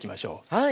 はい！